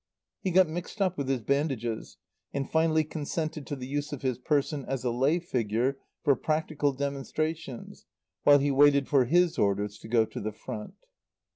He got mixed up with his bandages, and finally consented to the use of his person as a lay figure for practical demonstrations while he waited for his orders to go to the Front.